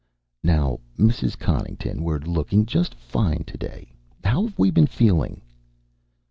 "Now, Mrs. Connington, we're looking just fine today. How have we been feeling?"